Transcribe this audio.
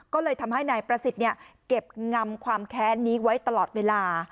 ก็เลยทำให้นายประสิทธิ์เก็บงำความแค้นนี้ไว้ตลอดเวลา